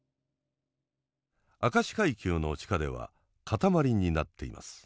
明石海峡の地下では塊になっています。